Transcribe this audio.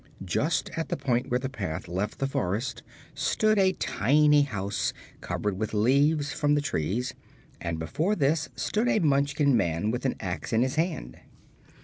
Just at the point where the path left the forest stood a tiny house covered with leaves from the trees, and before this stood a Munchkin man with an axe in his hand.